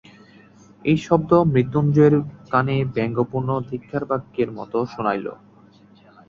এই শব্দ মৃত্যুঞ্জয়ের কানে ব্যঙ্গপূর্ণ ধিক্কারবাক্যের মতো শুনাইল।